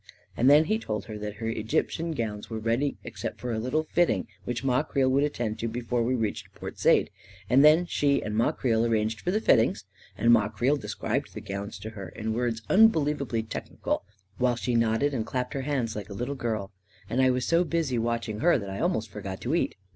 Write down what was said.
And then he told her that her Egyptian gowns A KING IN BABYLON 75 were ready except for a little fitting which Ma Creel would attend to before we reached Port Said; and then she and Ma Creel arranged for the fittings, and Ma Creel described the gowns to her in words unbelievably technical while she nodded and clapped her hands like a little girl ; and I was so busy watch ing her that I almost forgot to eat.